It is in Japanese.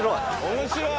面白い！